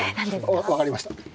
分かりました。